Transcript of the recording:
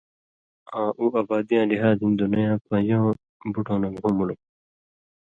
آں اُو آبادیاں لحاظ ہِن دُنئ یاں پن٘ژؤں بُٹؤں نہ گھو مُلک تُھو،